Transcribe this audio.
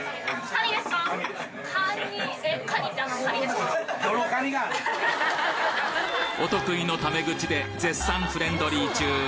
さらにお得意のタメ口で絶賛フレンドリー中！